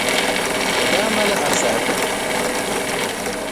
O daa mali asahi pam.